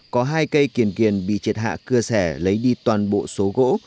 có hai cây kiền kiền bị triệt hạ cưa xẻ lấy đi toàn bộ số gỗ